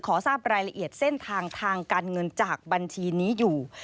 ทราบรายละเอียดเส้นทางทางการเงินจากบัญชีนี้อยู่